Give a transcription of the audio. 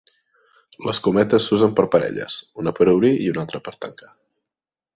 Les cometes s'usen per parelles, una per obrir i una altra per tancar.